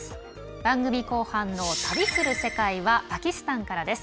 番組後半の「旅する世界」はパキスタンからです。